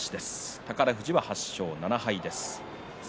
宝富士は８勝７敗です。